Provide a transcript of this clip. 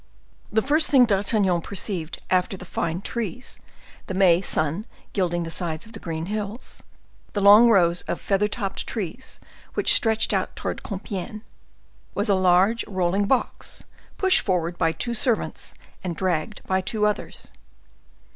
The first thing D'Artagnan perceived after the fine trees, the May sun gilding the sides of the green hills, the long rows of feather topped trees which stretched out towards Compiegne, was a large rolling box, pushed forward by two servants and dragged by two others.